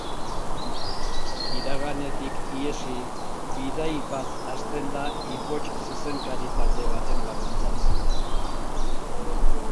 Iraganetik ihesi, bidai bat hasten da ipotx-zezenkari talde baten laguntzaz.